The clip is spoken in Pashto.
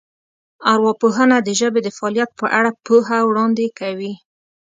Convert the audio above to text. ارواپوهنه د ژبې د فعالیت په اړه پوهه وړاندې کوي